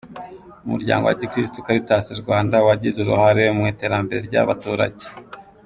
Umuryango wa Gikirisitu Caritas Rwanda: Wagize uruhare mu iterambere ry’abaturage.